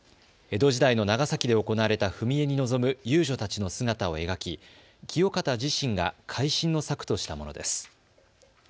江戸時代の長崎で行われた踏み絵に臨む遊女たちの姿を描き清方自身が会心の作としたものです。